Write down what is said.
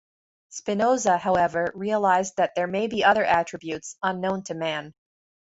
Spinoza, however, realised that there may be other Attributes, unknown to man.